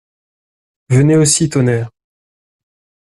Venez aussi, tonnerre!